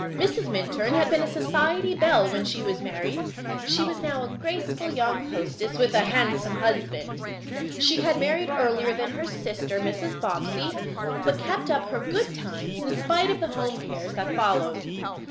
Mrs. Minturn had been a society belle when she was married. She was now a graceful young hostess, with a handsome husband. She had married earlier than her sister, Mrs. Bobbsey, but kept up her good times in spite of the home cares that followed.